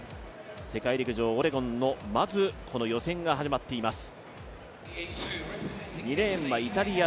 世界陸上オレゴンの予選が始まっています。